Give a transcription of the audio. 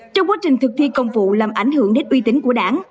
trong quá trình thực thi công vụ làm ảnh hưởng đến uy tín của đảng